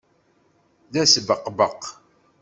D asbeqbeq.